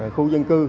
khu dân cư